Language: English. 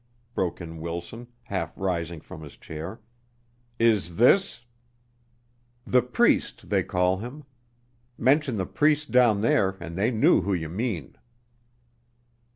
broke in Wilson, half rising from his chair. "Is this " "The priest, they all call him. Mention the priest down there and they knew whom you mean."